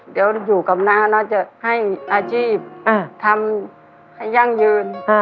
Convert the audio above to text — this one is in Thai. เดี๋ยวอยู่กับน้านะจะให้อาชีพทำให้ยั่งยืน